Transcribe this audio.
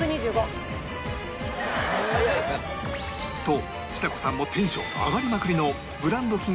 とちさ子さんもテンション上がりまくりのブランド品